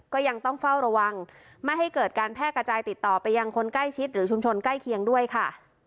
ก็ยังต้องเฝ้าระวังไม่ให้เกิดการแพร่กระจายติดต่อไปยังคนใกล้ชิดหรือชุมชนใกล้เคียงด้วยค่ะ